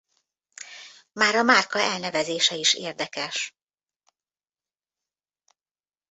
Már a márka elnevezése is érdekes.